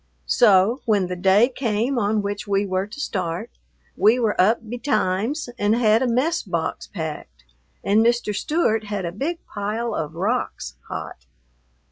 So, when the day came on which we were to start, we were up betimes and had a mess box packed and Mr. Stewart had a big pile of rocks hot.